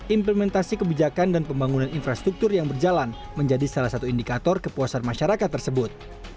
implementasi kebijakan dan pembangunan infrastruktur yang berjalan menjadi salah satu indikator kepuasan masyarakat tersebut